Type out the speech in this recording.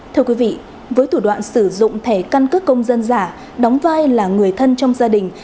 thưa quý vị với thủ đoạn sử dụng thẻ căn cước công dân giả đóng vai là người thân trong gia đình